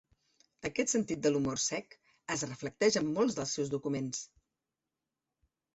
Aquest sentit de l'humor sec es reflecteix en molts dels seus documents.